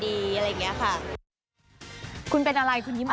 อะไรอย่างเงี้ยค่ะคุณเป็นอะไรคุณยิ้มอะไร